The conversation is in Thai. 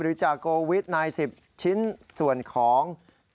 หรือจ่าโกวิทย์๙๐ชิ้นส่วนของ